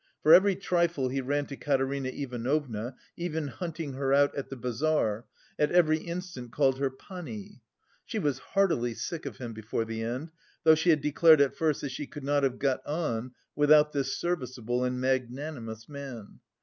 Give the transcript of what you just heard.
For every trifle he ran to Katerina Ivanovna, even hunting her out at the bazaar, at every instant called her "Pani." She was heartily sick of him before the end, though she had declared at first that she could not have got on without this "serviceable and magnanimous man."